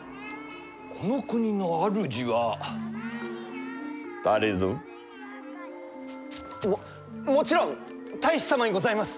この国の主は誰ぞ？ももちろん太守様にございます！